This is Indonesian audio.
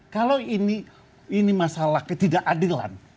kalau ini masalah ketidakadilan